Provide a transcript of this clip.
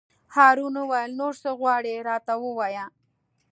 هارون وویل: نور څه غواړې راته ووایه.